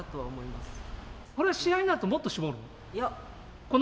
これが試合になると、もっと絞るの？